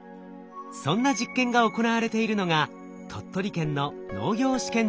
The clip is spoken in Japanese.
そんな実験が行われているのが鳥取県の農業試験場です。